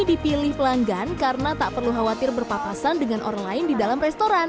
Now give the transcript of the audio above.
dipilih pelanggan karena tak perlu khawatir berpapasan dengan orang lain di dalam restoran